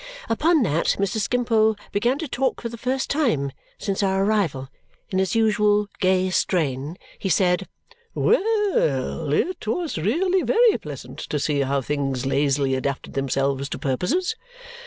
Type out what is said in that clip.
Upon that, Mr. Skimpole began to talk, for the first time since our arrival, in his usual gay strain. He said, Well, it was really very pleasant to see how things lazily adapted themselves to purposes.